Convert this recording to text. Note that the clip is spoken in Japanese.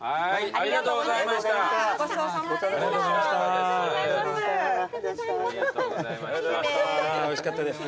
ありがとうございましたトマト姫。